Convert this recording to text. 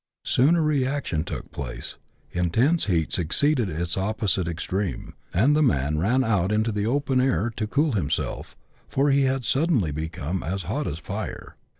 Soon a reaction took place, intense heat succeeded its opposite extreme, and the man ran out into the open air to cool himself, for he had suddenly become as hot as fire.